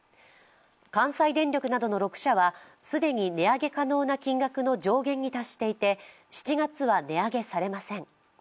関西電力などの６社は既に値上げ可能な金額の上限に達していて、７月は値上げされません。